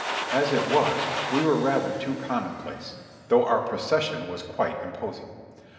As it was we were rather too commonplace, though our pro cession was quite imposing.